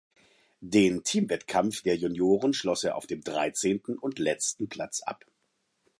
Den Teamwettkampf der Junioren schloss er auf dem dreizehnten und letzten Platz ab.